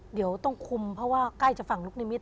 เดี๋ยวต้องคุมเพราะว่าใกล้จากฝั่งลูกนิมิต